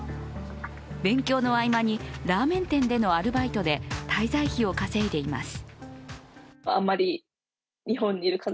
勉強の合間にラーメン店でのアルバイトで滞在費を稼いでいます。